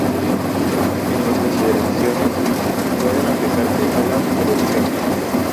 Las mismas consideraciones pueden aplicarse a la aceleración.